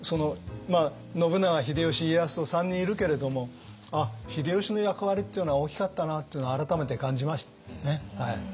信長秀吉家康と３人いるけれどもああ秀吉の役割っていうのは大きかったなっていうのを改めて感じましたね。